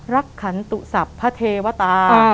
รักขันตุสัพพเทวดา